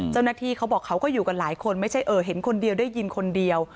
เขาบอกเขาก็อยู่กันหลายคนไม่ใช่เห็นคนเดียวได้ยินคนเดียว